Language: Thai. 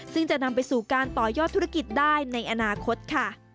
ซึ่งจะนำไปสู่การต่อยอดธุรกิจได้ในอนาคตค่ะ